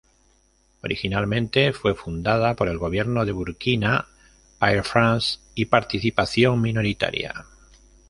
Originalmente fue fundada por el gobierno de Burkina, Air France y participación minoritaria.